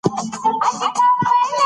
خپله پوهه له نورو سره شریک کړئ.